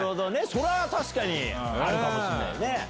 そりゃ確かにあるかもしれないね。